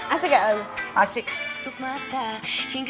asik gak lagu